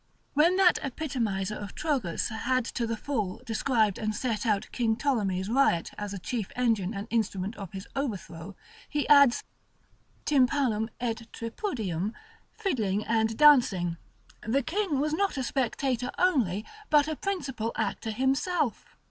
When that epitomiser of Trogus had to the full described and set out King Ptolemy's riot as a chief engine and instrument of his overthrow, he adds, tympanum et tripudium, fiddling and dancing: the king was not a spectator only, but a principal actor himself.